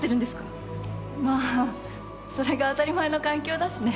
まあそれが当たり前の環境だしね。